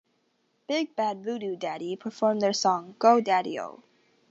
Big Bad Voodoo Daddy performed their song "Go Daddy-O".